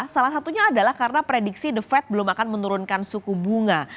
salah satunya adalah karena prediksi the fed belum akan menurunkan suku bunga